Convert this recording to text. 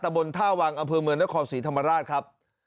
ตะบนท่าวังอเมนศศรีธรรมราชครับ